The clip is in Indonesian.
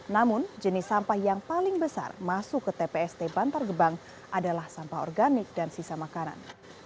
namun jenis sampah yang paling besar masuk ke tpst bantar gebang adalah sampah organik dan sisa makanan